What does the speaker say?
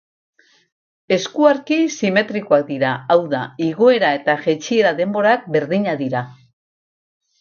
Eskuarki, simetrikoak dira, hau da, igoera eta jaitsiera-denborak berdinak dira.